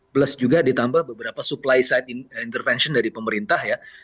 plus juga ditambah beberapa supply side intervention dari pemerintah ya